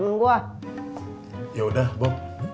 sekarang gua mau nyantai di depan sama temen gua